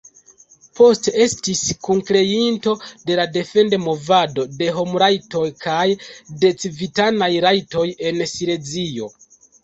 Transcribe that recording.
Poste estis kunkreinto de la Defend-Movado de Homrajtoj kaj de Civitanaj Rajtoj en Silezio.